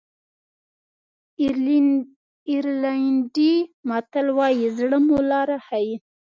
آیرلېنډي متل وایي زړه مو لاره ښیي.